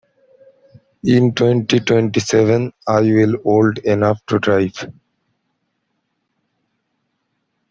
In twenty-twenty-seven I will old enough to drive.